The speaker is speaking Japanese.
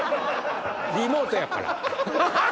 リモートやから。